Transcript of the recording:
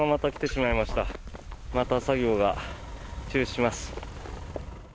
また作業が中止します。